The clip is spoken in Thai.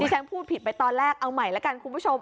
ฉันพูดผิดไปตอนแรกเอาใหม่แล้วกันคุณผู้ชม